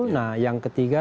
nah yang ketiga